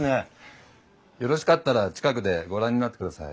よろしかったら近くでご覧になってください。